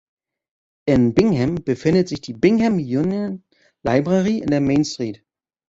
In Bingham befindet sich die Bingham Union Library in der Main Street.